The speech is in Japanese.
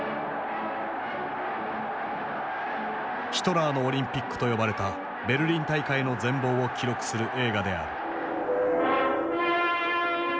「ヒトラーのオリンピック」と呼ばれたベルリン大会の全貌を記録する映画である。